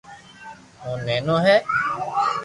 او نينو ھي